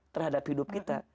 terhadap hidup kita